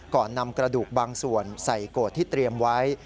ก่อนนำกระดูกบางส่วนใส่โกรธที่เตรียมไว้